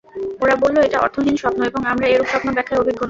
ওরা বলল, এটা অর্থহীন স্বপ্ন এবং আমরা এরূপ স্বপ্ন-ব্যাখ্যায় অভিজ্ঞ নই।